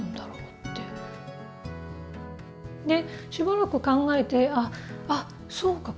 しばらく考えて「あっそうか！